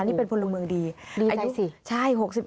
นี่เป็นผลละเมืองดีดีใจสิ